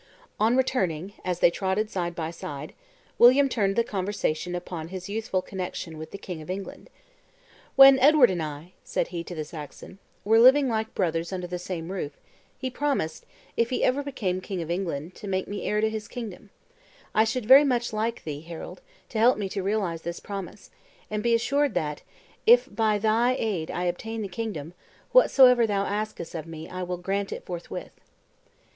On returning, as they trotted side by side, William turned the conversation upon his youthful connection with the king of England. "When Edward and I," said he to the Saxon, "were living like brothers under the same roof, he promised, if ever he became king of England, to make me heir to his kingdom; I should very much like thee, Harold, to help me to realize this promise; and be assured that, if by thy aid I obtain the kingdom, whatsoever thou askest of me, I will grant it forthwith."